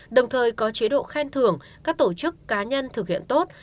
đồng thời có chế độ khen thưởng các tổ chức cá nhân thực hiện tốt